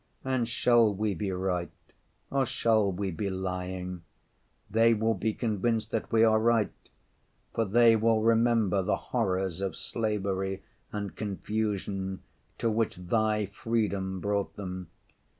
And shall we be right or shall we be lying? They will be convinced that we are right, for they will remember the horrors of slavery and confusion to which Thy freedom brought them.